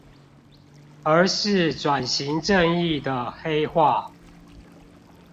而是轉型正義的黑話